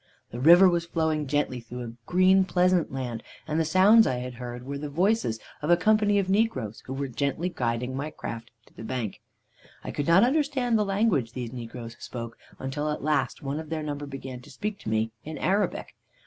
"The river was flowing gently through a green, pleasant land, and the sounds I had heard were the voices of a company of negroes who were gently guiding my raft to the bank. "I could not understand the language these negroes spoke, until at last one of their number began to speak to me in Arabic.